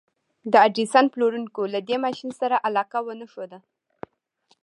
د ايډېسن پلورونکو له دې ماشين سره علاقه ونه ښوده.